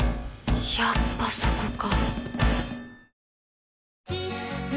やっぱそこか。